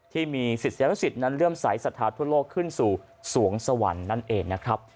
ที่มีศิษยานุสิตนั้นเลื่อมใสสัทธาทั่วโลกขึ้นสู่สวงสวรรค์นั่นเองนะครับ